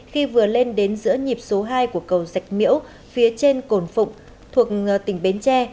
khi vừa lên đến giữa nhịp số hai của cầu dạch miễu phía trên cồn phụng thuộc tỉnh bến tre